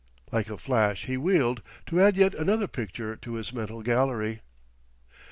Like a flash he wheeled, to add yet another picture to his mental gallery.